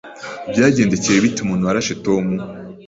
Byagendekeye bite umuntu warashe Tom?